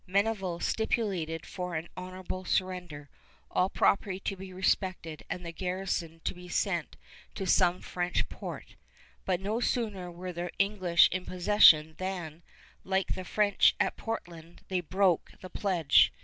Meneval stipulated for an honorable surrender, all property to be respected and the garrison to be sent to some French port; but no sooner were the English in possession than, like the French at Portland, they broke the pledge.